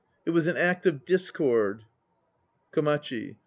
It was an act of discord. 1 KOMACHI.